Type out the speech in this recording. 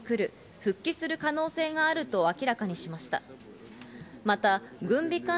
復帰する可能性があると明らかにしました。